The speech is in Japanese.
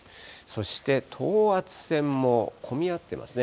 そして等圧線も混み合ってますね。